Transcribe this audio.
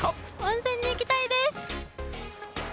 温泉に行きたいです。